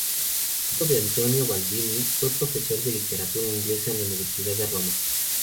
Hijo de Antonio Baldini, fue profesor de literatura inglesa en la Universidad de Roma.